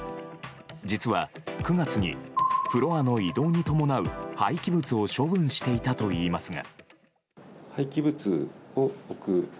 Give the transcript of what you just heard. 実は９月にフロアの移動に伴う廃棄物を処分していたといいますが。